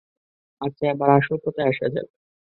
আচ্ছা, এবার আসল কথায় আসা যাক।